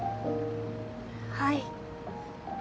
はい。